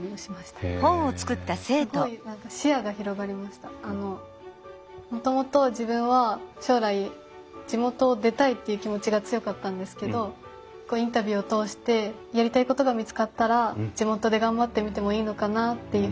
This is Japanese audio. すごいあのもともと自分は将来地元を出たいっていう気持ちが強かったんですけどインタビューを通してやりたいことが見つかったら地元で頑張ってみてもいいのかなっていうふうに。